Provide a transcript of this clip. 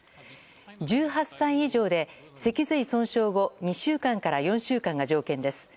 １８歳以上で脊髄損傷後２週間から４週間が条件です。